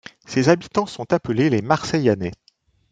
Ses habitants sont appelés les Marseillanais.